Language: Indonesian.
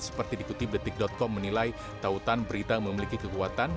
seperti dikutip detik com menilai tautan berita memiliki kekuatan